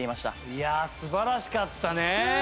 いやあ素晴らしかったね。